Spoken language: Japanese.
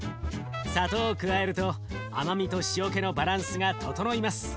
砂糖を加えると甘みと塩気のバランスがととのいます。